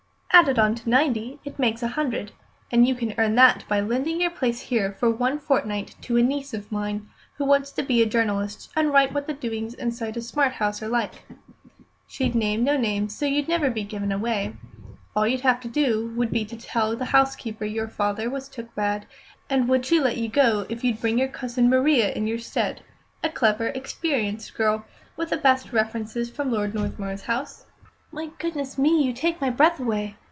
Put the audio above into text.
"Added on to ninety it makes a hundred, and you can earn that by lending your place here for one fortnight to a niece of mine, who wants to be a journalist and write what the doings inside a smart house are like. She'd name no names, so you'd never be given away. All you'd have to do would be to tell the housekeeper your father was took bad, and would she let you go if you'd bring your cousin Maria in your stead a clever, experienced girl, with the best references from Lord Northmuir's house?" "My goodness me, you take my breath away!"